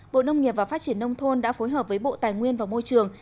bộ nông nghiệp và phát triển nông thôn đã phối hợp với bộ tài nguyên và môi trường